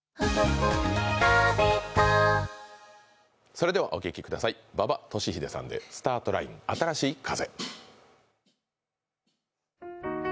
それではお聴きください、馬場俊英さんで「スタートライン新しい風」。